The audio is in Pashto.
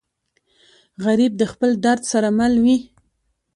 غریب د خپل درد سره مل وي